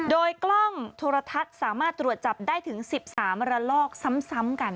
โดยกล้องโทรทัศน์สามารถตรวจจับได้ถึง๑๓ระลอกซ้ำกัน